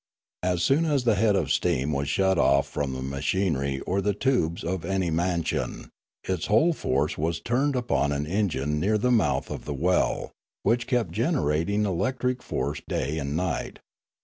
As soon as the head of steam was shut off from the machinery or the tubes of any mansion, its whole force was turned upon an engine near the mouth of the well, which kept generating electric force day and night.